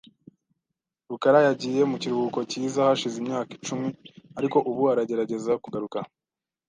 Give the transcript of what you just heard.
rukara yagiye mu kiruhuko cyiza hashize imyaka icumi, ariko ubu aragerageza kugaruka .